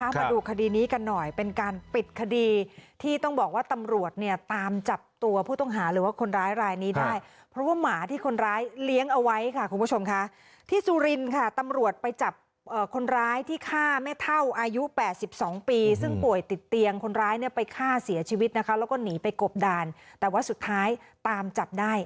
มาดูคดีนี้กันหน่อยเป็นการปิดคดีที่ต้องบอกว่าตำรวจเนี่ยตามจับตัวผู้ต้องหาหรือว่าคนร้ายรายนี้ได้เพราะว่าหมาที่คนร้ายเลี้ยงเอาไว้ค่ะคุณผู้ชมค่ะที่สุรินค่ะตำรวจไปจับคนร้ายที่ฆ่าแม่เท่าอายุ๘๒ปีซึ่งป่วยติดเตียงคนร้ายเนี่ยไปฆ่าเสียชีวิตนะคะแล้วก็หนีไปกบดานแต่ว่าสุดท้ายตามจับได้